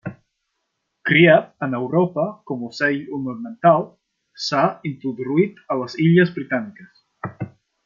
Criat en Europa com ocell ornamental, s'ha introduït a les Illes Britàniques.